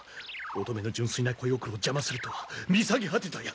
乙女の純粋な恋心を邪魔するとは見下げ果てた奴！